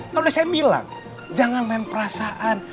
kalo udah saya bilang jangan main perasaan